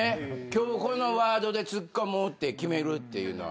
「今日このワードでツッコもう」って決めるっていうのは。